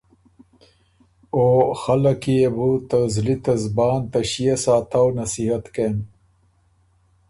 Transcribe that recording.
او خلق کی يې بو ته زلی ته زبان ته ݭيې ساتؤ نصیحت کېم